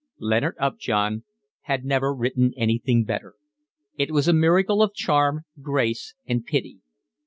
Leonard Upjohn had never written anything better. It was a miracle of charm, grace, and pity.